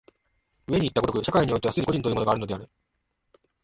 上にいった如く、社会においては既に個人というものがあるのである。